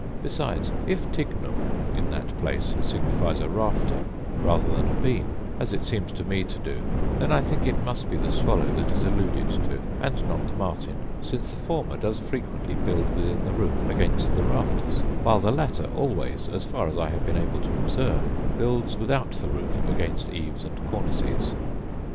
Besides, if tignum in that place signifies a rafter rather than a beam, as it seems to me to do, then I think it must be the swallow that is alluded to, and not the martin; since the former does frequently build within the roof against the rafters; while the latter always, as far as I have been able to observe, builds without the roof against eaves and cornices.